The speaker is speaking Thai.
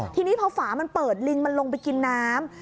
ทีนี้พอฝามันเปิดลิงมันลงไปกินน้ำ